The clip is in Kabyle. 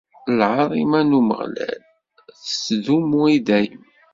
Lɛaḍima n Umeɣlal tettdumu i dayem.